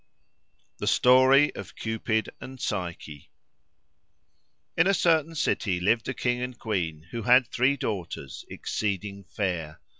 — The Story of Cupid and Psyche. In a certain city lived a king and queen who had three daughters exceeding fair.